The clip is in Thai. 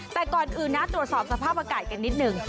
แต่ก่อนอื่นนะตรวจสอบสภาพอากาศกันนิดหนึ่ง